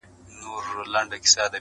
د همدغو حواسو دنده بولي